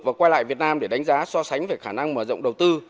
và quay lại việt nam để đánh giá so sánh về khả năng mở rộng đầu tư